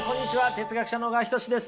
哲学者の小川仁志です。